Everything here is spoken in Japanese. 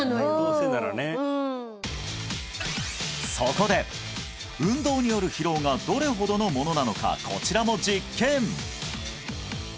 うんそこで運動による疲労がどれほどのものなのかこちらも実験！